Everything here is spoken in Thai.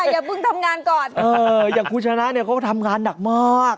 อย่าเพิ่งทำงานก่อนอย่างคุณชนะเนี่ยเขาก็ทำงานหนักมาก